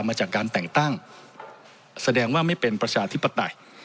มาจากการแต่งตั้งแสดงว่าไม่เป็นประชาธิปไตย